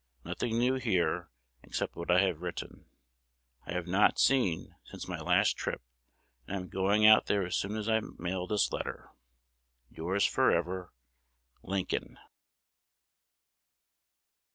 Nothing new here, except what I have written. I have not seen since my last trip; and I am going out there as soon as I mail this letter. Yours forever, Lincoln.